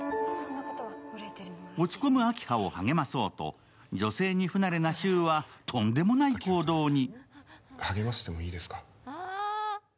落ち込む明葉を励まそうと女性に不慣れな柊はとんでもない行動に。